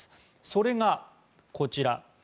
それがこちら。